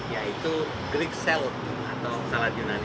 yaitu greek salad atau salat yunani